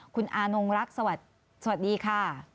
คุณอานงรักสวัสดีค่ะ